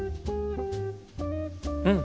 うん！